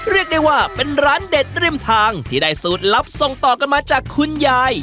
เรียกได้ว่าเป็นร้านเด็ดริมทางที่ได้สูตรลับส่งต่อกันมาจากคุณยาย